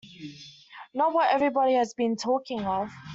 Not what everybody has been talking of!